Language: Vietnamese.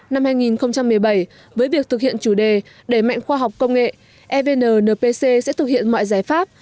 năm hai nghìn một mươi bảy với việc thực hiện chủ đề đẩy mạnh khoa học công nghệ evn npc sẽ thực hiện mọi giải pháp